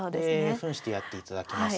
ふんしてやっていただきます。